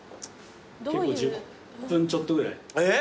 結構１０分ちょっとぐらい。えっ！